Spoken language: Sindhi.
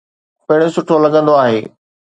پڻ سٺو لڳندو آهي.